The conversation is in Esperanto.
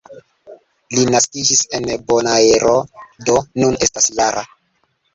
Li naskiĝis en Bonaero, do nun estas -jara.